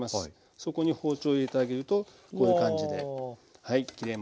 そこに包丁を入れてあげるとこういう感じではい切れます。